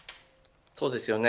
そうですよね。